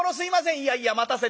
「いやいや待たせてすまな。